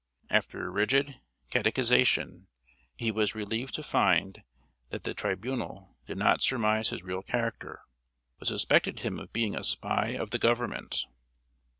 After a rigid catechisation, he was relieved to find that the tribunal did not surmise his real character, but suspected him of being a spy of the Government.